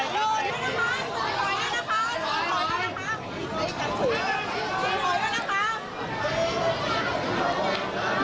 โหยนี่ค่ะ